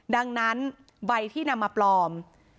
ดังนั้นใบที่นำมาปลอม๕๒๔๔๒๘